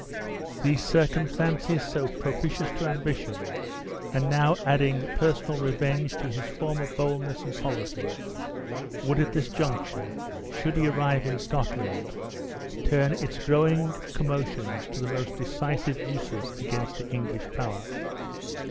These circumstances so propitious to ambition, and now adding person revenge to his former boldness and policy, would at this juncture (should he arrive in Scotland) turn its growing commotions to the most decisive uses against the English power.